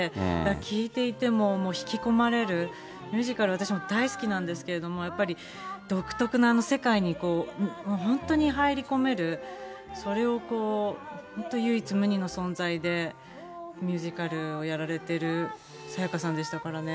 聴いていても引き込まれる、ミュージカル、私も大好きなんですけれども、やっぱり、独特な世界に、本当に入り込める、それを本当、唯一無二の存在で、ミュージカルをやられてる沙也加さんでしたからね。